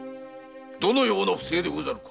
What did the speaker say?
どのような不正でござるか！